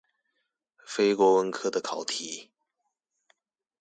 非國文科的考題